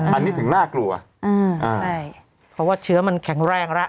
อันนี้ถึงน่ากลัวอืมอ่าใช่เพราะว่าเชื้อมันแข็งแรงแล้ว